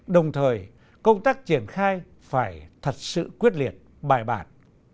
đồng thời công tác triển khai phải thật sự quyết liệt bài bản